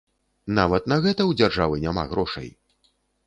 Нават на гэта ў дзяржавы няма грошай?